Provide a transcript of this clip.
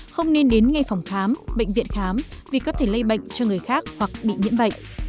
không nên đến ngay phòng khám bệnh viện khám vì có thể lây bệnh cho người khác hoặc bị nhiễm bệnh